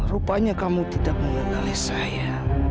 rupanya kamu tidak mengenali saya